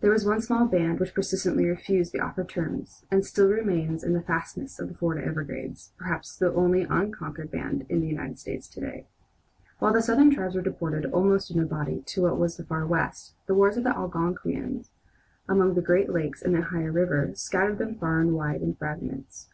There was one small band which persistently refused the offered terms, and still remains in the fastnesses of the Florida Everglades, perhaps the only unconquered band in the United States to day. While the Southern tribes were deported almost in a body to what was then the far West, the wars of the Algonquins, along the Great Lakes and the Ohio River, scattered them far and wide in fragments.